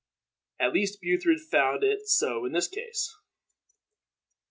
At least Buthred found it so in this case.